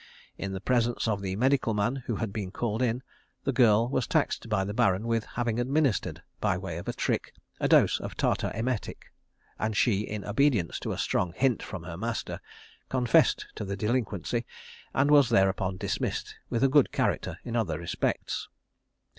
In the presence of the medical man who had been called in, the girl was taxed by the Baron with having administered, by way of a trick, a dose of tartar emetic; and she, in obedience to a strong hint from her master, confessed to the delinquency, and was thereupon dismissed with a good character in other respects.